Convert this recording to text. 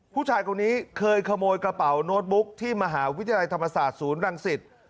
ผู้ชายคนนี้เคยขโมยกระเป๋าโน้ตบุ๊กที่มหาวิทยาลัยธรรมศาสตร์ศูนย์รังสิต